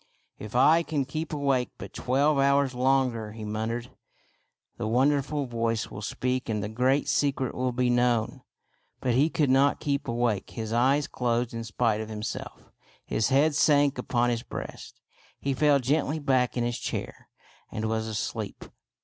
" If I can keep awake but twelve hours longer," he muttered, " the wonderful voice will speak and the great secret will be known." But he could not keep awake. His eyes closed in spite of himself ; his head sank upon his breast ; he fell gently back in his chair, and was asleep.